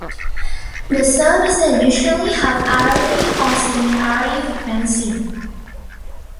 The services usually have hourly or semi-hourly frequency.